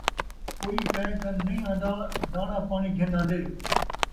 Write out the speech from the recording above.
کوئی کئیں کن نئیں آن٘دا داݨاں پاݨی گھن آن٘دے